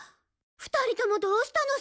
２人ともどうしたの？